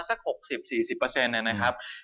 สัก๖๐๔๐